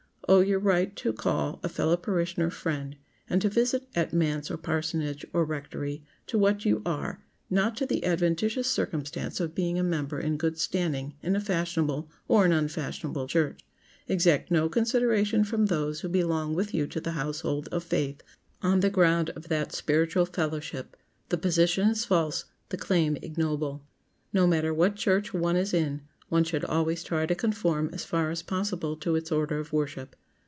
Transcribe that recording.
Owe your right to call a fellow parishioner "friend," and to visit at manse or parsonage, or rectory, to what you are—not to the adventitious circumstance of being a member in good standing in a fashionable, or an unfashionable, church. Exact no consideration from those who belong with you to the household of faith on the ground of that spiritual "fellowship." The position is false; the claim ignoble. No matter what church one is in, one should always try to conform as far as possible to its order of worship.